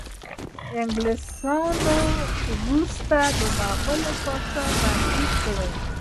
انګلیسانو وروستی مغول پاچا بندي کړ.